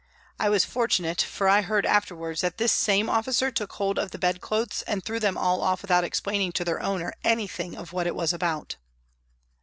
I was fortunate, for I heard afterwards that this same officer took hold of the bedclothes and threw them all off without explaining to their owner anything of what it was about.